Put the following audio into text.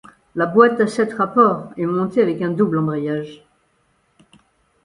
La boîte à sept rapports est montée avec un double embrayage.